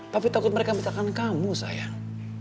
tapi takut mereka menciptakan kamu sayang